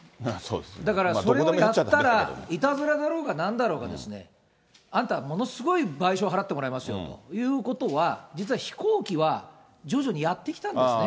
だからそれをやったら、いたずらだろうがなんだろうが、あんた、ものすごい賠償を払ってもらいますよということは、実は飛行機は、徐々にやってきたんですね。